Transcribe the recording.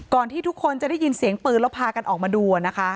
ที่ทุกคนจะได้ยินเสียงปืนแล้วพากันออกมาดู